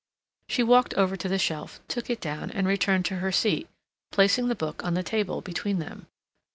She walked over to the shelf, took it down, and returned to her seat, placing the book on the table between them.